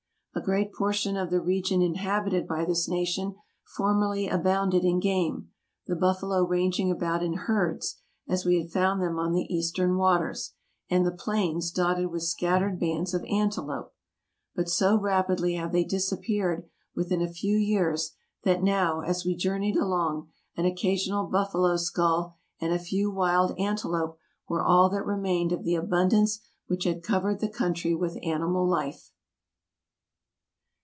A great portion of the region inhabited by this nation formerly abounded in game; the buffalo ranging about in herds, as we had found them on the eastern waters, and the plains dotted with scattered bands of antelope; but so rapidly have they disappeared within a few years that now, as we journeyed along, an occasional buffalo skull and a few wild antelope were all that remained of the abundance which had covered the country with animal life..